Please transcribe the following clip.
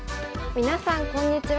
みなさんこんにちは。